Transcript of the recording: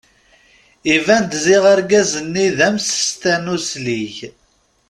Iban-d ziɣ argaz-nni d amsestan uslig.